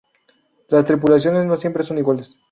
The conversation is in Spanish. Las tripulaciones no siempre son iguales.